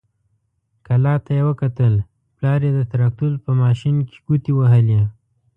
کلا ته يې وکتل، پلار يې د تراکتور په ماشين کې ګوتې وهلې.